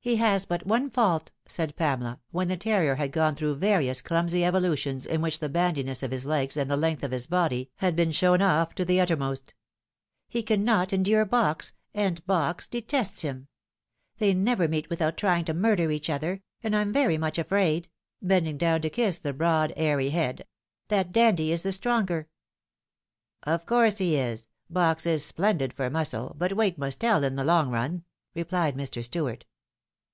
" He has but one fault," said Pamela, when the terrier had gone through various clumsy evolutions in which the bandi nws of his legs and the length of his body had been shown off to the uttermost. " He cannot endure Box, and Box detests him. They never meet without trying to murder each other, and I'm very much afraid," bending down to kiss the broad hairy head, ' that Dandie is the stronger." " Of course he is. Box is splendid for muscle, but weight must tell in the long run," replied Mr. Stuart.